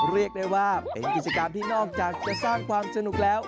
เรียกได้ว่าเป็นกิจกรรมที่นอกจากจะสร้างความสนุกแล้ว